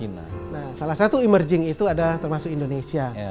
nah salah satu emerging itu adalah termasuk indonesia